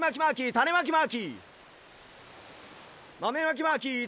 たねまきマーキー！